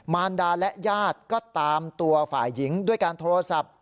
มารดาและญาติก็ตามตัวฝ่ายหญิงด้วยการโทรศัพท์